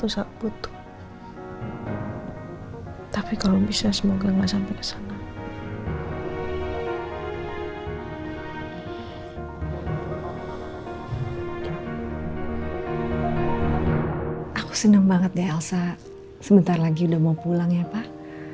si elsa sebentar lagi udah mau pulang ya pak